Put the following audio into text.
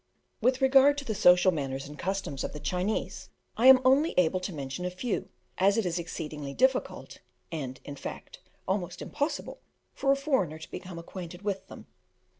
With regard to the social manners and customs of the Chinese, I am only able to mention a few, as it is exceedingly difficult, and, in fact, almost impossible, for a foreigner to become acquainted with them.